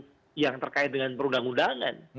itu bukan persoalan yang terkait dengan perundang undangan